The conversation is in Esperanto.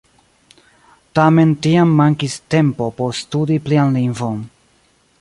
Tamen tiam mankis tempo por studi plian lingvon.